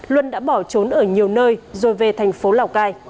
luân đã bỏ trốn ở nhiều nơi rồi về thành phố lào cai